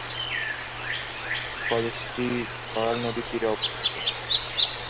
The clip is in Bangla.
কলেজটি বড়াল নদীর তীরে অবস্থিত।